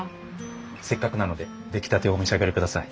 せっかくなので出来たてをお召し上がりください。